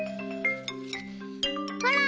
ほら！